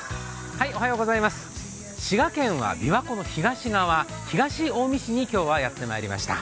滋賀県は琵琶湖の東側、東近江市に今日はやってまいりました。